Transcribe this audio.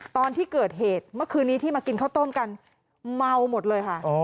ตอนที่เกิดเหตุเมื่อคืนนี้ที่มากินข้าวต้มกันเมาหมดเลยค่ะ